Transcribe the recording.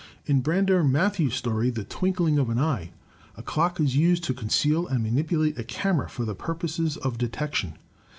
In Brander Matthews' story, "The Twinkling of an Eye," a clock is used to conceal and manipulate a camera for the purposes of detection.